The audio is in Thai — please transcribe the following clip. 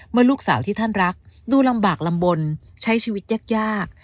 เมื่อลูกสาวที่ท่านรักดูลำบากลำบลใช้ชีวิตยาก